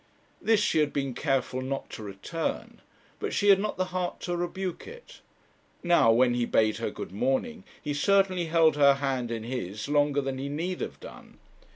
This she had been careful not to return, but she had not the heart to rebuke it. Now, when he bade her good morning, he certainly held her hand in his longer than he need have done.